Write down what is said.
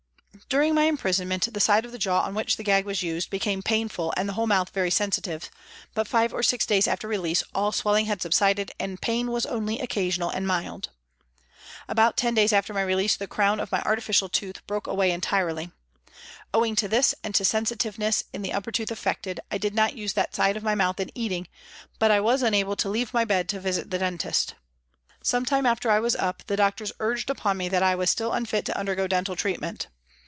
During my imprisonment, the side of the jaw on which the gag was used became painful and the whole mouth very sensitive, but five or six days after release all swelling had subsided and pain was only occasional and mild. About ten days after my release, the crown of my artificial tooth broke away entirely. Owing to this and to sensitiveness in the upper tooth affected, I did not use that side of my mouth in eating, but I was unable to leave my bed to visit the dentist. Some time after I was up the P. x 306 PRISONS AND PRISONERS doctors urged upon me that I was still unfit to undergo dental treatment.